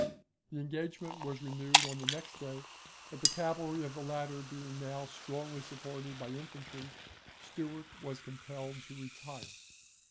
The engagement was renewed on the next day, but the cavalry of the latter being now strongly supported by infantry, Stuart was compelled to retire.